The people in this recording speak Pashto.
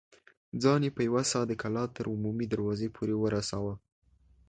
ځان يې په يوه سا د کلا تر عمومي دروازې پورې ورساوه.